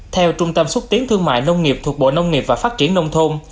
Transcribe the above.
theo trung tâm xúc tiến thương mại nông nghiệp thuộc bộ nông nghiệp và phát triển nông thôn